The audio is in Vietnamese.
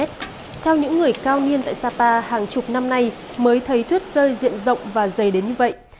theo những người cao niên tại sapa hàng chục năm nay mới thấy thuyết rơi diện rộng và dày đến như vậy